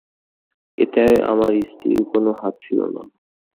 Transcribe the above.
এতে আমার স্ত্রীর কোন হাত ছিল না।